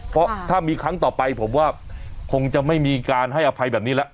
เพราะถ้ามีครั้งต่อไปผมว่าคงจะไม่มีการให้อภัยแบบนี้แล้ว